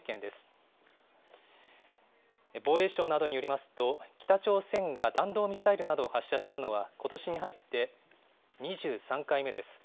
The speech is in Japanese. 防衛省などによりますと、北朝鮮が弾道ミサイルなどを発射したのは、ことしに入って２３回目です。